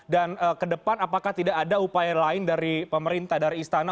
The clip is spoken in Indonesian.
dan ke depan apakah tidak ada upaya lain dari pemerintah dari istana